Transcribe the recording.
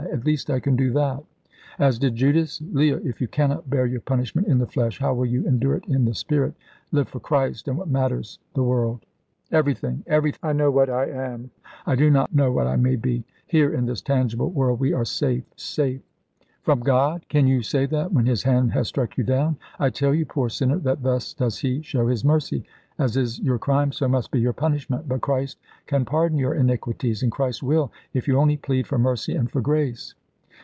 At least I can do that." "As did Judas! Leah, if you cannot bear your punishment in the flesh, how will you endure it in the spirit? Live for Christ, and what matters the world?" "Everything! everything! I know what I am; I do not know what I may be. Here in this tangible world we are safe safe!" "From God? Can you say that, when His hand has struck you down? I tell you, poor sinner, that thus does He show His mercy. As is your crime, so must be your punishment. But Christ can pardon your iniquities, and Christ will, if you only plead for mercy and for grace."